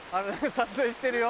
撮影してるよ。